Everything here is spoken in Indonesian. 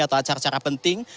atau acara acara penting